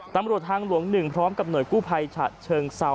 ตำรวจทางหลวง๑พร้อมกับหน่วยกู้ภัยฉะเชิงเซา